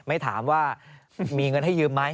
ไม่ถามว่ามีเงินให้ยืมไหม